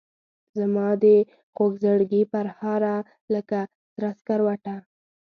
زمادخوږزړګي پرهاره لکه سره سکروټه